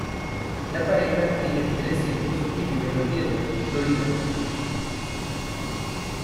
La pareja tiene tres hijos y vive en Oviedo, Florida.